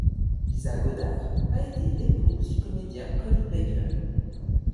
Liza Goddard a été l'épouse du comédien Colin Baker.